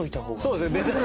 そうですね別に。